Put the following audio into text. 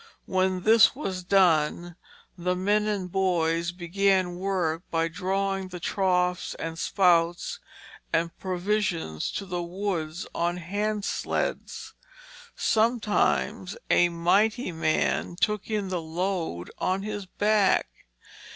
When this was done, the men and boys began work by drawing the troughs and spouts and provisions to the woods on hand sleds. Sometimes a mighty man took in a load on his back.